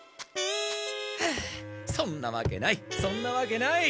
そんなわけないそんなわけない！